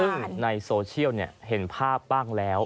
ซึ่งในโทรศิลป์หรือในโซเชียลเห็นภาพบ้างแล้ว